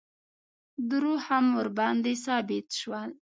دروغ هم ورباندې ثابت شول.